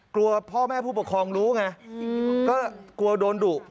กลัวพ่อแม่ผู้ปกครองรู้ไงก็กลัวโดนดุ